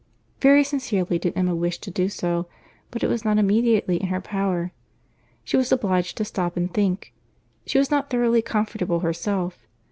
Very sincerely did Emma wish to do so; but it was not immediately in her power. She was obliged to stop and think. She was not thoroughly comfortable herself.